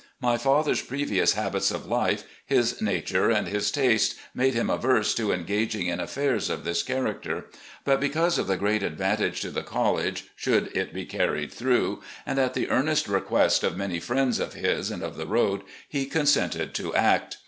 My father's previovis habits of life, his nature and his tastes made him averse to engaging in affairs of this character; but LEE'S LETTERS TO HIS SONS 347 because of the great advantage to the college, should it be carried through, and at the earnest request of many friends of his and of the road, he consented to act.